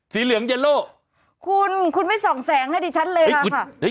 เหลืองเยโลคุณคุณไม่ส่องแสงให้ดิฉันเลยล่ะค่ะ